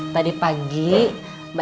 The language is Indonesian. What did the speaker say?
jadi m ekannya